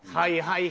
はい？